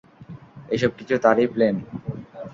এসব কিছু তারই প্লান।